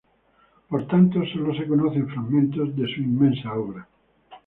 Por tanto, sólo se conocen fragmentos de su inmensa obra.